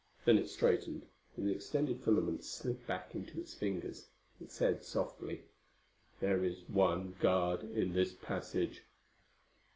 Then it straightened, and the extended filaments slid back into its fingers. It said softly, "There is one guard in this passage."